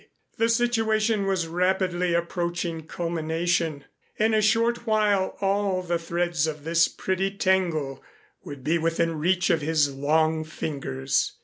The situation was rapidly approaching culmination. In a short while all the threads of this pretty tangle would be within reach of his long fingers.